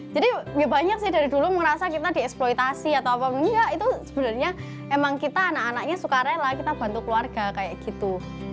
jadi banyak sih dari dulu ngerasa kita dieksploitasi atau apa tapi enggak itu sebenarnya emang kita anak anaknya suka rela kita bantu keluarga kayak gitu